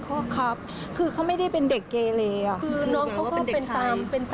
แกล้งเพื่อนอะไรนี้ไม่มีแน่นอน